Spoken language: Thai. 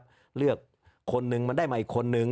ก็เลือกคนนึงมันได้มาอีกคนนึง